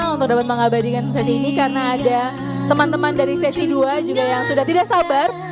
untuk dapat mengabadikan sesi ini karena ada teman teman dari sesi dua juga yang sudah tidak sabar